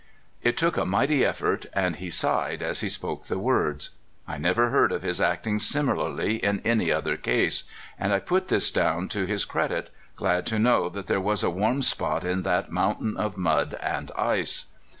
It took a mighty effort, and he sighed as he spoke the words. I never heard of his acting sim ilarly in any other case, and I put this down to his credit, glad to know that there was a warm spot in that mountain of mud and ice.